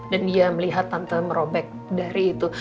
dan dia melihat tante merobek dari itu